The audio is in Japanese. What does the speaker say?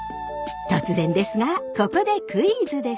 突然ですがここでクイズです！